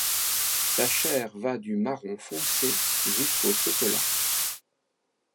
Sa chair va du marron foncé jusqu'au chocolat.